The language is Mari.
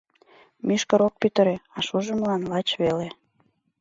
Мӱшкыр ок пӱтырӧ, а шужымылан лач веле.